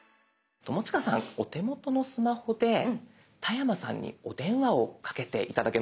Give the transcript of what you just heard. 友近さんお手元のスマホで田山さんにお電話をかけて頂けますでしょうか。